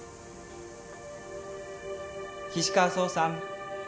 岸川総さん？